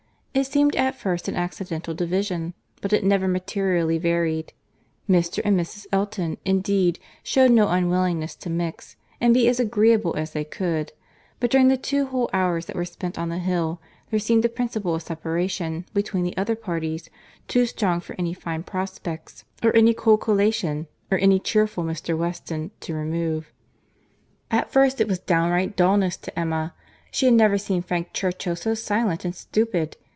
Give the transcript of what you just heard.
It seemed at first an accidental division, but it never materially varied. Mr. and Mrs. Elton, indeed, shewed no unwillingness to mix, and be as agreeable as they could; but during the two whole hours that were spent on the hill, there seemed a principle of separation, between the other parties, too strong for any fine prospects, or any cold collation, or any cheerful Mr. Weston, to remove. At first it was downright dulness to Emma. She had never seen Frank Churchill so silent and stupid.